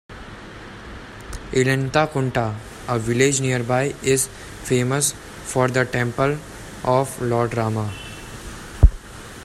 Illanthakunta, a village nearby is famous for the temple of Lord Rama.